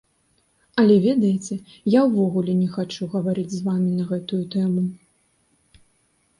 Але ведаеце, я ўвогуле не хачу гаварыць з вамі на гэтую тэму.